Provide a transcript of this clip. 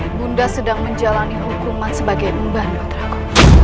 ibu anda sedang menjalani hukuman sebagai pembantu putra ku